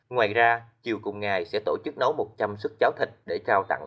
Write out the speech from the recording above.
ngoài ra chiều cùng ngày sẽ tổ chức nấu một trăm linh sức cháo thịt để trao tặng